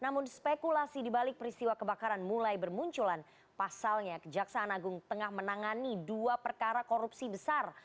mulai bermunculan pasalnya kejaksaan agung tengah menangani dua perkara korupsi besar